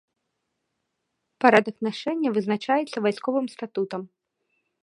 Парадак нашэння вызначаецца вайсковым статутам.